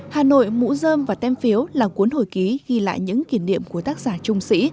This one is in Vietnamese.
hà nội mũ dơm và tem phiếu là cuốn hồi ký ghi lại những kỷ niệm của tác giả trung sĩ